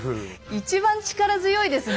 一番力強いですね